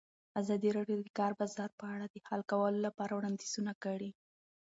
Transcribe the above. ازادي راډیو د د کار بازار په اړه د حل کولو لپاره وړاندیزونه کړي.